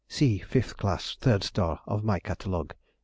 See fifth class, third star, of my catalogue.